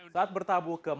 saat bertabu ke madrid